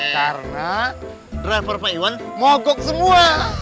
karena driver pak iwan mogok semua